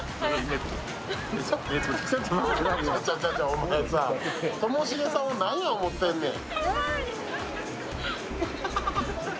お前さ、ともしげさんを何や思ってんねん。